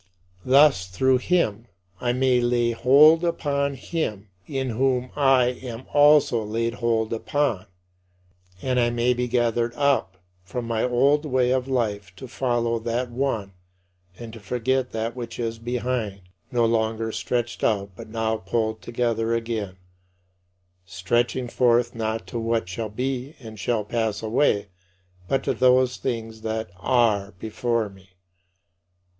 Thus through him I may lay hold upon him in whom I am also laid hold upon; and I may be gathered up from my old way of life to follow that One and to forget that which is behind, no longer stretched out but now pulled together again stretching forth not to what shall be and shall pass away but to those things that are before me.